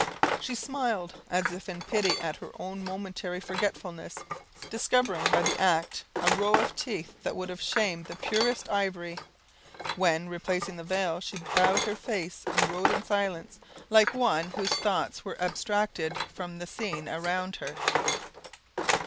She smiled, as if in pity at her own momentary forgetfulness, discovering by the act a row of teeth that would have shamed the purest ivory; when, replacing the veil, she bowed her face, and rode in silence, like one whose thoughts were abstracted from the scene around her.